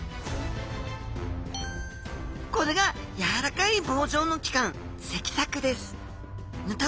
これがやわらかい棒状の器官脊索です。